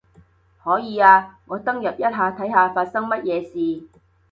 可以啊，我登入一下睇下發生乜嘢事